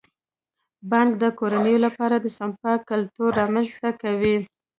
بانک د کورنیو لپاره د سپما کلتور رامنځته کوي.